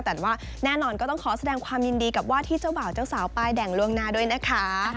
แต่ว่าแน่นอนก็ต้องขอแสดงความยินดีกับว่าที่เจ้าบ่าวเจ้าสาวป้ายแดงล่วงหน้าด้วยนะคะ